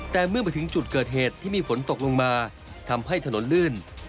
แต่เมื่อมาถึงจุดเกิดเหตุที่มีฝนตกลงมาทำให้ถนนลื่น